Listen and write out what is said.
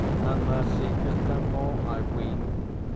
And thou seek'st no more, I ween!